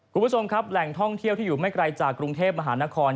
คุณผู้ชมครับแหล่งท่องเที่ยวที่อยู่ไม่ไกลจากกรุงเทพมหานคร